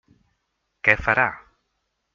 Què farà?